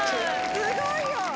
すごいよ！